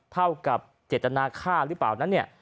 เท่ากับเจตนาค่าหรือเปล่า